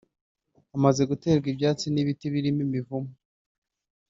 hamaze guterwa ibyatsi n’ibiti birimo imivumu